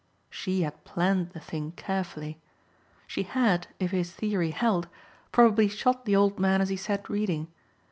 She had planned the thing carefully. She had, if his theory held, probably shot the old man as he sat reading.